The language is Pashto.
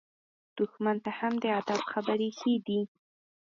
دښمن ته هم د ادب خبرې ښه دي.